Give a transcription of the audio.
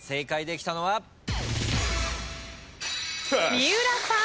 三浦さん